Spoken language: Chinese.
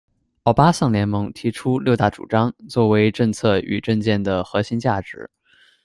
欧巴桑联盟提出六大主张，作为政策与政见的核心价值。